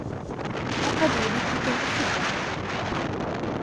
لقد وُلدت كي أحبك.